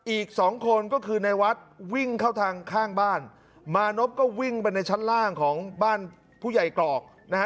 อีกสองคนก็คือในวัดวิ่งเข้าทางข้างบ้านมานพก็วิ่งไปในชั้นล่างของบ้านผู้ใหญ่กรอกนะฮะ